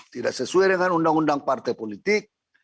tidak sesuai dengan undang undang partai politik